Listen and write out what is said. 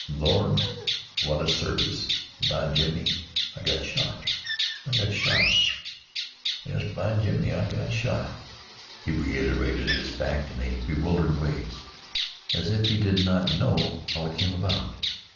"An', Lord, what a circus! An', b'jiminey, I got shot I got shot. Yes, b'jiminey, I got shot." He reiterated this fact in a bewildered way, as if he did not know how it came about.